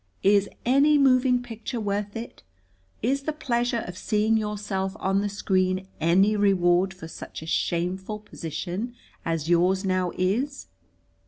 Is any moving picture worth it? Is the pleasure of seeing yourself on the screen any reward for such a shameful position as yours now is?